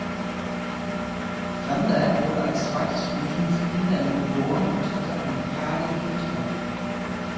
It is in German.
Grander wurde als zweites von fünf Kindern geboren und hatte eine karge Kindheit.